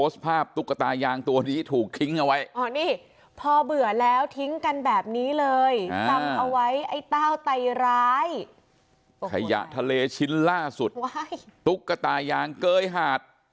ตำเอาไว้ไอ้เต้าไตรร้ายขยะทะเลชิ้นล่าสุดตุ๊กกะตายางเกยหาด